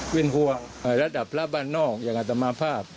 เป็นห่วงระดับพระบ้านนอกอย่างอัตมาภาพ